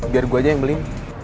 biar gue aja yang beli